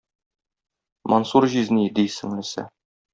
Мансур җизни, - ди сеңлесе.